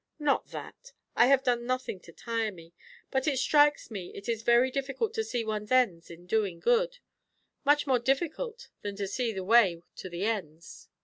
"Not that. I have done nothing to tire me; but it strikes me it is very difficult to see one's ends in doing good; much more difficult than to see the way to the ends."